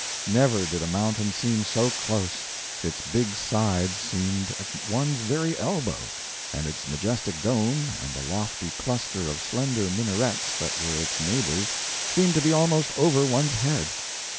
Never did a mountain seem so close; its big sides seemed at one's very elbow, and its majestic dome, and the lofty cluster of slender minarets that were its neighbors, seemed to be almost over one's head.